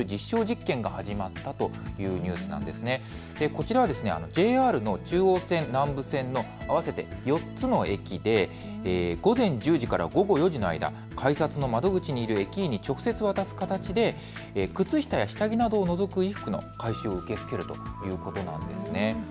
こちらはＪＲの中央線、南武線の合わせて４つの駅で午前１０時から午後４時の間、改札の窓口にいる駅員に直接渡す形で靴下や下着などを除く衣服の回収を受け付けるということなんです。